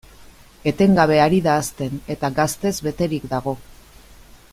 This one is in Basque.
Etengabe ari da hazten, eta gaztez beterik dago.